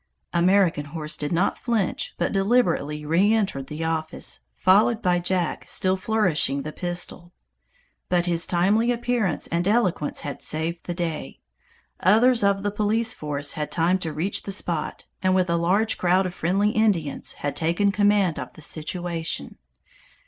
American Horse did not flinch but deliberately reentered the office, followed by Jack still flourishing the pistol. But his timely appearance and eloquence had saved the day. Others of the police force had time to reach the spot, and with a large crowd of friendly Indians had taken command of the situation.